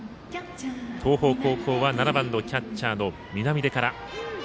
東邦高校は、７番のキャッチャーの南出から。